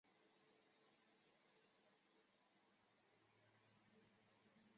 毕业于寿春中学男学生陶汝坤。